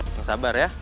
yang sabar ya